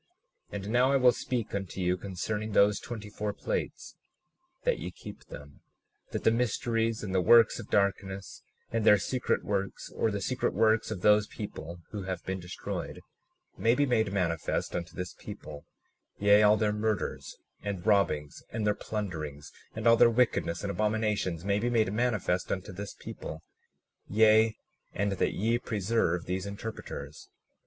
37:21 And now, I will speak unto you concerning those twenty four plates, that ye keep them, that the mysteries and the works of darkness, and their secret works, or the secret works of those people who have been destroyed, may be made manifest unto this people; yea, all their murders, and robbings, and their plunderings, and all their wickedness and abominations, may be made manifest unto this people; yea, and that ye preserve these interpreters.